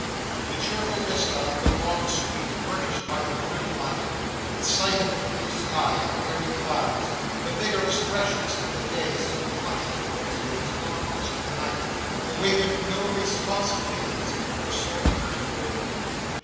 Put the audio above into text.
The cheerful vista of the long street, burnished by the morning light, the sight of the blue sky and airy clouds, the vigorous freshness of the day, so flushed and rosy in its conquest of the night, awakened no responsive feelings in her so hurt bosom.